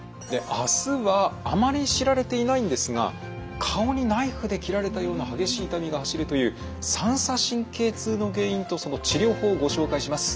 あすはあまり知られていないんですが顔にナイフで切られたような激しい痛みが走るという三叉神経痛の原因とその治療法ご紹介します。